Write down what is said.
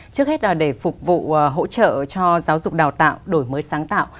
trước hết là để phục vụ hỗ trợ cho giáo dục đào tạo đổi mới sáng tạo